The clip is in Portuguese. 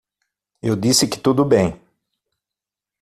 Eu disse que tudo bem.